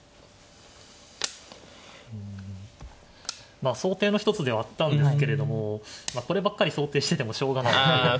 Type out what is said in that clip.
まあ想定の一つではあったんですけれどもこればっかり想定しててもしょうがないので。